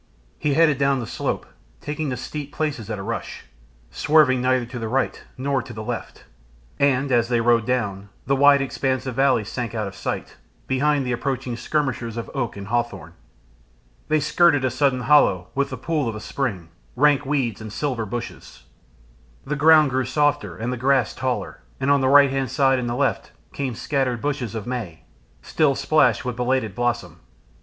He headed down the slope, taking the steep places at a rush, swerving neither to the right nor to the left, and, as they rode down, the wide expanse of valley sank out of sight behind the approaching skirmishers of oak and hawthorn. They skirted a sudden hollow with the pool of a spring, rank weeds and silver bushes. The ground grew softer and the grass taller, and on the right hand side and the left came scattered bushes of May still splashed with belated blossom.